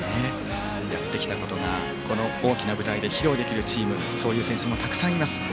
やってきたことがこの大きな舞台で披露できるチームそういう選手もたくさんいます。